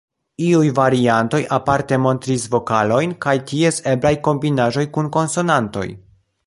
Iuj variantoj aparte montris vokalojn kaj ties eblaj kombinaĵoj kun konsonantoj.